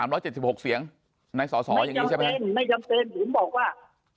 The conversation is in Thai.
๓ร้อยเจ็บหกเสียงในสอไม่จำเป็นไม่จำเป็นผมบอกว่า